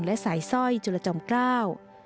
และสายสร้อยจุลจอมเกล้า